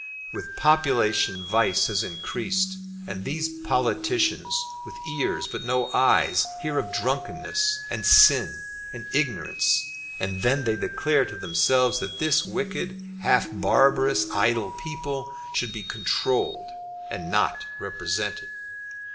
With population vice has increased, and these politicians, with ears but no eyes, hear of drunkenness and sin and ignorance. And then they declare to themselves that this wicked, half barbarous, idle people should be controlled and not represented.